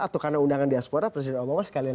atau karena undangan diaspora presiden obama sekalian